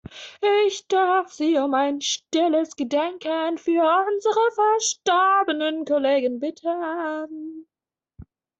Ich darf Sie um ein stilles Gedenken für unsere verstorbenen Kollegen bitten.